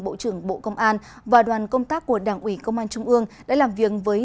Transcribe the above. bộ trưởng bộ công an và đoàn công tác của đảng ủy công an trung ương đã làm việc với